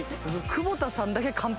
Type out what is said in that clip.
久保田さんだけ完璧。